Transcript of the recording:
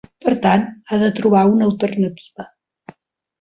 Per tant, ha de trobar una alternativa.